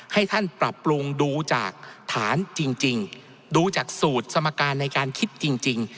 ให้ท่านปรับปรุงดูจากฐานจริงดูจากสูตรสมการในการคิดจริง